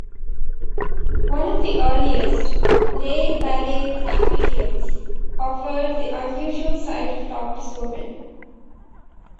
One of the earliest, Les Ballets Africains, offered the unusual sight of topless women.